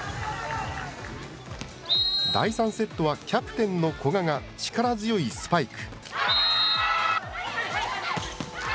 第３セットはキャプテンの古賀が、力強いスパイク。